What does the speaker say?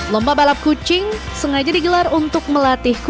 lomba balap kucing sengaja digelar untuk melatih kucing pelancong